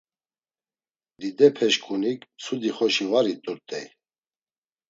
Didepeşǩunik mtsudi xoşi var it̆urt̆ey.